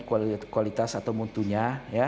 kualitas atau muntunya